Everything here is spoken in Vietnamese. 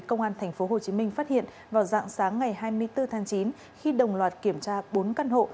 công an tp hcm phát hiện vào dạng sáng ngày hai mươi bốn tháng chín khi đồng loạt kiểm tra bốn căn hộ